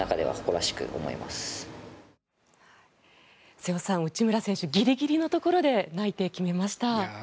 瀬尾さん、内村選手ギリギリのところで内定を決めました。